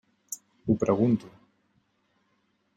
Ho pregunto.